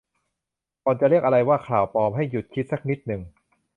ก่อนจะเรียกอะไรว่า ข่าวปลอม ให้หยุดคิดสักนิดหนึ่ง